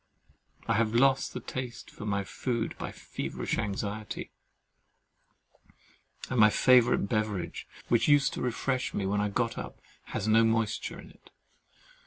I have lost the taste of my food by feverish anxiety; and my favourite beverage, which used to refresh me when I got up, has no moisture in it.